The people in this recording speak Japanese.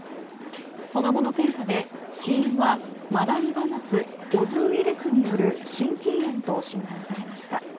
その後の検査で死因はマダニが持つオズウイルスによる心筋炎と診断されました。